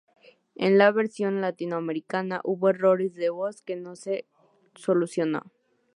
En la versión Latinoamericana hubo errores de voz que no se solucionó.